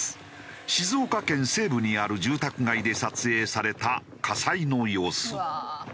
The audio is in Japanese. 静岡県西部にある住宅街で撮影された火災の様子。